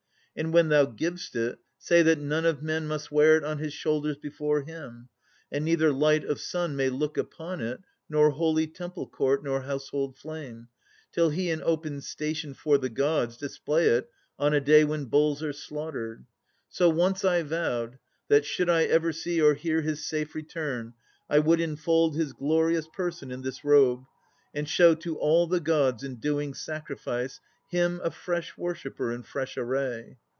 And when thou giv'st it, say that none of men Must wear it on his shoulders before him; And neither light of sun may look upon it, Nor holy temple court, nor household flame, Till he in open station 'fore the Gods Display it on a day when bulls are slaughtered. So once I vowed, that should I ever see Or hear his safe return, I would enfold His glorious person in this robe, and show To all the Gods in doing sacrifice Him a fresh worshipper in fresh array.